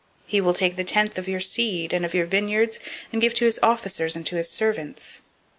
008:015 He will take the tenth of your seed, and of your vineyards, and give to his officers, and to his servants.